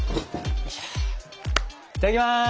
いただきます。